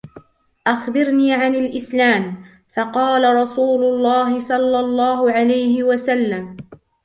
أَخْبِرْنِي عَنِ الإسْلامِ. فَقالَ رسولُ اللهِ صَلَّى اللهُ عَلَيْهِ وَسَلَّمَ